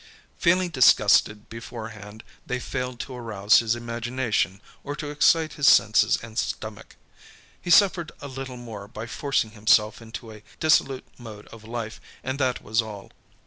Feeling disgusted beforehand, they failed to arouse his imagination or to excite his senses and stomach. He suffered a little more by forcing himself into a dissolute mode of life, and that was all.